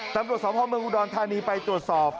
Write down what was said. ตรับตรวจสอบเพราะเมืองกุดรทานีไปตรวจสอบ